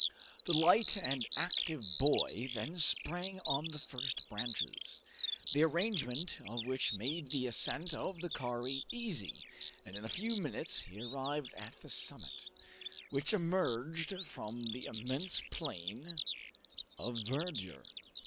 The light and active boy then sprang on the first branches, the arrangement of which made the ascent of the kauri easy, and in a few minutes he arrived at the summit, which emerged from the immense plain of verdure.